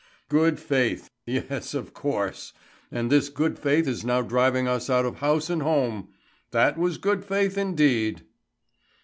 "Good faith! Yes, of course! And this good faith is now driving us out of house and home. That was good faith indeed!"